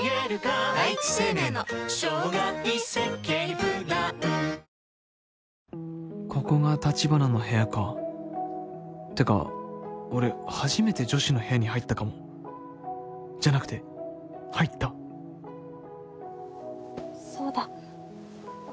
ぷはーっここが橘の部屋かってか俺初めて女子の部屋に入ったかもじゃなくて入ったそうだお茶を。